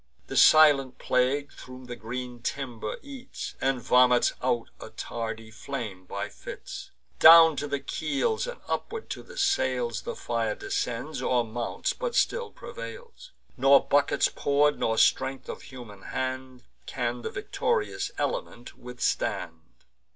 The silent plague thro' the green timber eats, And vomits out a tardy flame by fits. Down to the keels, and upward to the sails, The fire descends, or mounts, but still prevails; Nor buckets pour'd, nor strength of human hand, Can the victorious element withstand.